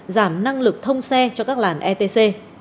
giảm năng lực thông xe cho các làn etc